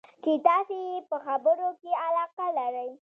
چې تاسې یې په خبرو کې علاقه لرئ.